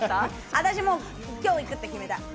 私、今日行くって決めた。